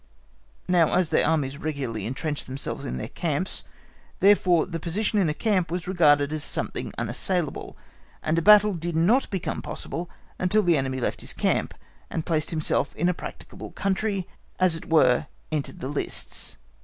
Now as their Armies regularly entrenched themselves in their camps, therefore the position in a camp was regarded as something unassailable, and a battle did not become possible until the enemy left his camp, and placed himself in a practicable country, as it were entered the lists.